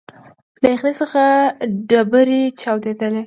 له یخنۍ څخه ډبري چاودېدلې